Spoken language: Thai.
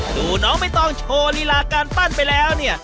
ดูน้องไม่ต้องโชว์ลีลาการปั้นไปแล้วเนี่ย